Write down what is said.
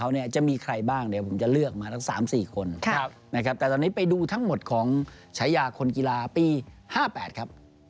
เดี๋ยวเรามาติดตาม๑๒ฉายาคนกีฬา